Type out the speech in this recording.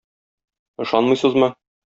Ышанмыйсызмы?